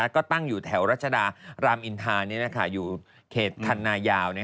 ก็ตั้งอยู่แถวรัชดารามอินทาอยู่เขตคันนายาว